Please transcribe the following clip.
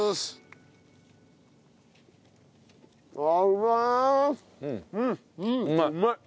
うまい。